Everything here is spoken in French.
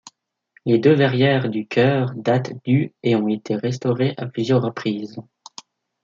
Les deux verrières du chœur datent du et ont été restaurées à plusieurs reprises.